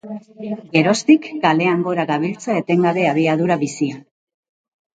Geroztik kalean gora gabiltza etengabe abiadura bizian